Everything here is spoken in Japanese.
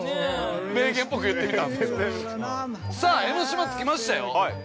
さあ、江の島、着きましたよ。